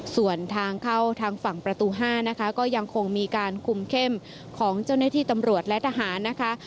ส่วนทางเข้าทางฝั่งประตู๕นะคะก็ยังคงมีการคุมเข้มของเจ้าหน้าที่ตำรวจและทหารนะคะ